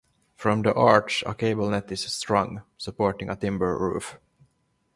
From the arch a cable net is strung, supporting a timber roof.